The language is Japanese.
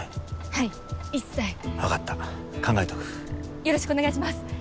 はい一切分かった考えとくよろしくお願いします